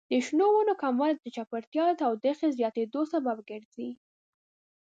د شنو ونو کموالی د چاپیریال د تودوخې زیاتیدو سبب ګرځي.